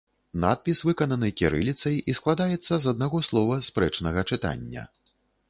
Надпіс выкананы кірыліцай і складаецца з аднаго слова спрэчнага чытання.